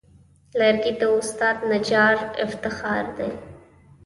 لرګی د استاد نجار افتخار دی.